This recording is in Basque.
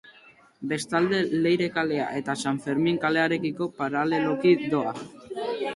Bestalde, Leire kalea eta San Fermin kalearekiko paraleloki doa.